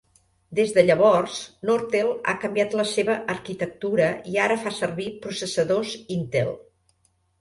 Des de llavors, Nortel ha canviat la seva arquitectura i ara fa servir processadores Intel.